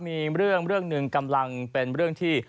มีเรื่องหนึ่งกำลังเป็นเรื่องที่